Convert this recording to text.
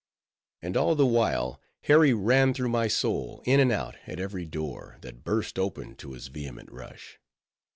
And all the while, Harry ran through my soul—in and out, at every door, that burst open to his vehement rush.